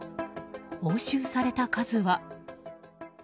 押収された数は。